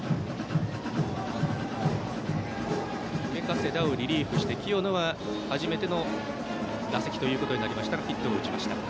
上加世田をリリーフして清野は初めての打席となりましてヒットを打ちました。